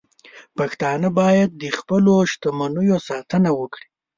پښتانه باید د خپلو شتمنیو ساتنه وکړي.